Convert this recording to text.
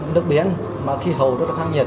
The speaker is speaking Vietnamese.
nước biển mà khí hầu rất là khắc nghiệt